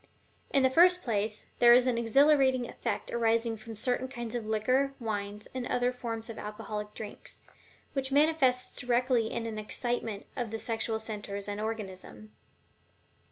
In the first place, there is an exhilarating effect arising from certain kinds of liquor, wines, and other forms of alcoholic drinks, which manifests directly in an excitement of the sexual centers and organism.